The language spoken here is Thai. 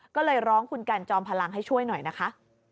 ก็เลยร้องคุณกันจอมพลังให้ช่วยหน่อยนะคะ